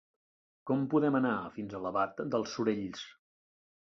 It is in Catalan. Com podem anar fins a Albalat dels Sorells?